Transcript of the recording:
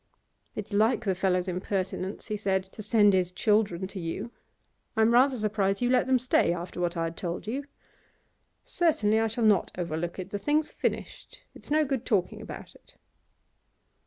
'It's like the fellow's impertinence,' he said, 'to send his children to you. I'm rather surprised you let them stay after what I had told you. Certainly I shall not overlook it. The thing's finished I it's no good talking about it.